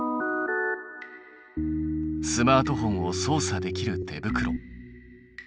スマートフォンを操作できる手袋。